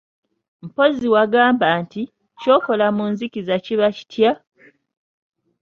Mpozzi wagamba nti, ky'okola mu nzikiza kiba kitya?